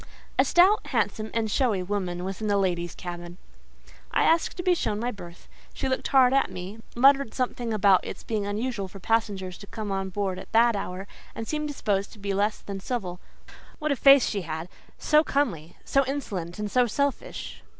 A stout, handsome, and showy woman was in the ladies' cabin. I asked to be shown my berth; she looked hard at me, muttered something about its being unusual for passengers to come on board at that hour, and seemed disposed to be less than civil. What a face she had—so comely—so insolent and so selfish!